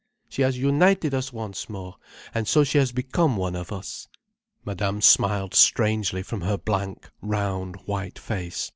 She has united us once more, and so she has become one of us." Madame smiled strangely from her blank, round white face.